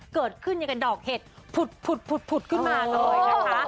เกิดขึ้นอย่างกับดอกเห็ดผุดขึ้นมาเลยนะคะ